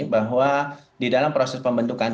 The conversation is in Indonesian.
bahwa di dalam proses pembentukan